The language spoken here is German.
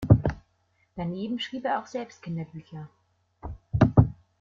Daneben schrieb er auch selbst Kinderbücher.